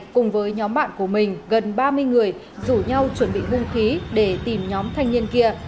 cùng với nhóm bạn của mình gần ba mươi người rủ nhau chuẩn bị hung khí để tìm nhóm thanh niên kia